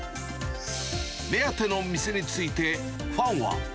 目当ての店についてファンは。